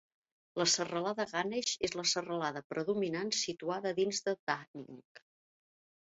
La serralada Ganesh és la serralada predominant situada a dins de Dhading.